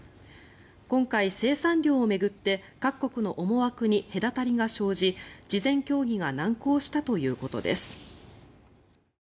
今回、生産量を巡って各国の思惑に隔たりが生じ事前協議が難航したということです。